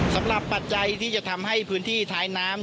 ปัจจัยที่จะทำให้พื้นที่ท้ายน้ำ